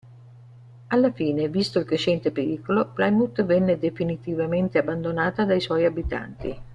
Alla fine, visto il crescente pericolo, Plymouth venne definitivamente abbandonata dai suoi abitanti.